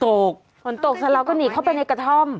ท่อมพลูหรอฝนตกฝนตกแล้วเราก็หนีเข้าไปในกระท่อม